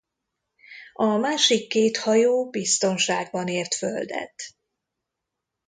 A másik két hajó biztonságban ért földet.